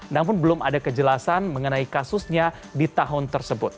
namun belum ada kejelasan mengenai kasusnya di tahun tersebut